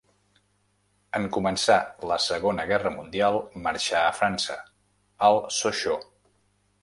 En començar la Segona Guerra Mundial marxà a França, al Sochaux.